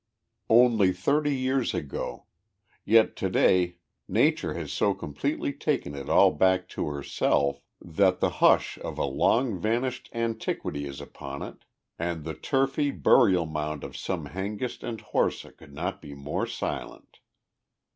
Only thirty years ago yet to day Nature has so completely taken it all back to herself that the hush of a long vanished antiquity is upon it, and the turfy burial mound of some Hengist and Horsa could not be more silent.